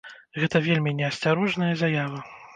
Гэта вельмі не асцярожная заява.